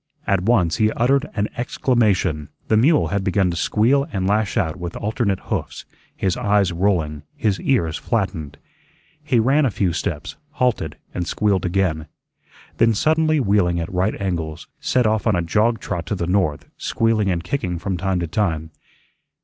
At once he uttered an exclamation. The mule had begun to squeal and lash out with alternate hoofs, his eyes rolling, his ears flattened. He ran a few steps, halted, and squealed again. Then, suddenly wheeling at right angles, set off on a jog trot to the north, squealing and kicking from time to time.